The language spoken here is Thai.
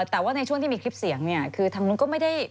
แต่ว่าในช่วงที่มีคลิปเสียงเนี่ยคือทางนู้นก็ไม่ได้